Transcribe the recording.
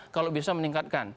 kalau bisa meningkatkan